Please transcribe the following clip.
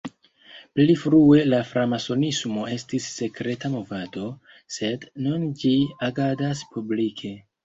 Pli frue la framasonismo estis sekreta movado, sed nun ĝi agadas publike.